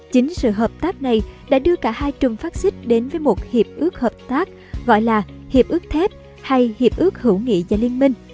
chính sự hợp tác này đã đưa cả hai trùm fascist đến với một hiệp ước hợp tác gọi là hiệp ước thép hay hiệp ước hữu nghị dân